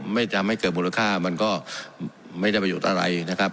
ไม่ทำให้เกิดมูลค่ามันก็ไม่ได้ประโยชน์อะไรนะครับ